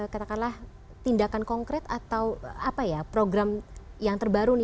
katakanlah tindakan konkret atau apa ya program yang terbaru nih